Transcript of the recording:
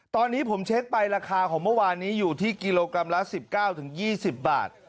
ตอนนี้ผมเช็คไปราคาของเมื่อวานนี้อยู่ที่กิโลกรัมละ๑๙๒๐บาท